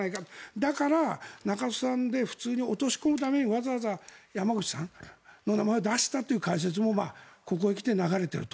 だから、中曽さんで普通に落とし込むためにわざわざ山口さんの名前を出したという解説もここへ来て流れていると。